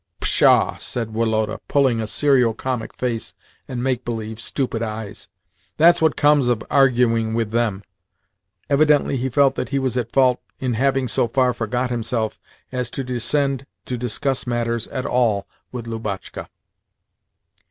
"Pshaw!" said Woloda, pulling a serio comic face and make believe, stupid eyes. "That's what comes of arguing with them." Evidently he felt that he was at fault in having so far forgot himself as to descend to discuss matters at all with Lubotshka.